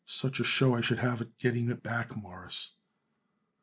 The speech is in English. Such a show I should have of getting it back, Mawruss."